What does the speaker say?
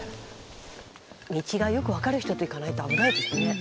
道がよく分かる人と行かないと危ないですね。